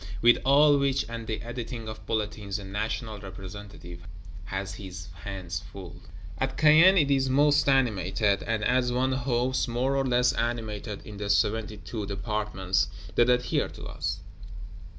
With all which, and the editing of Bulletins, a National Representative has his hands full. At Caen it is most animated; and, as one hopes, more or less animated in the "Seventy two Departments that adhere to us."